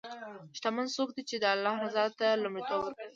شتمن څوک دی چې د الله رضا ته لومړیتوب ورکوي.